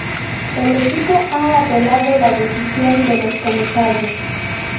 El equipo ha apelado la decisión de los comisarios.